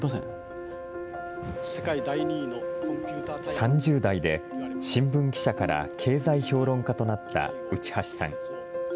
３０代で新聞記者から経済評論家となった内橋さん。